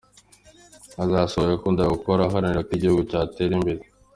Azasohoka akunda gukora, aharanira ko igihugu cyatera imbere.